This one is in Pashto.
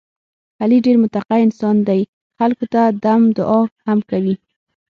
علي ډېر متقی انسان دی، خلکو ته دم دعا هم کوي.